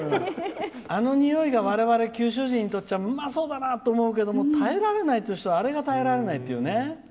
あのにおいがわれわれ九州人にとってはうまそうだな！と思うけども耐えられないって人はあれが、耐えられないっていうね。